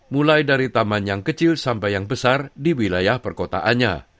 mulai dari taman yang kecil sampai yang besar di wilayah perkotaannya